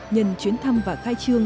nhân chuyến thăm và khai trương